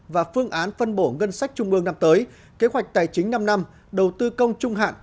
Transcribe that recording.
và phương án phân bổ ngân sách trung mương năm tới kế hoạch tài chính năm năm đầu tư công trung hạn